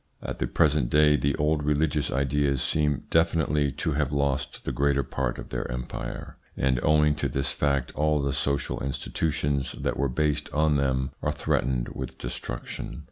At the present day the old religious ideas seem definitely to have lost the greater part of their empire, and owing to this fact all the social institutions that were based on them are threatened with destruction.